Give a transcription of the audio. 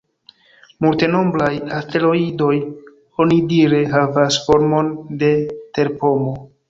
Multenombraj asteroidoj onidire havas formon de terpomo.